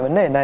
vấn đề đấy